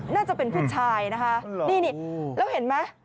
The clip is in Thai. น่าจะเป็นผู้ชายนะคะนี่แล้วเห็นไหม